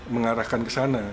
mengarahkan ke sana